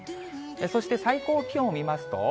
そして最高気温を見ますと。